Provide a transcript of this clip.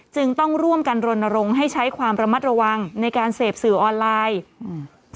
จึงต้องร่วมกันรณรงค์ให้ใช้ความระมัดระวังในการเสพสื่อออนไลน์อืม